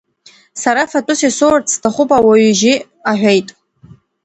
Сара фатәыс исоурц сҭахуп ауаҩы ижьы, — аҳәеит.